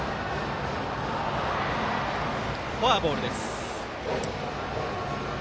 フォアボールです。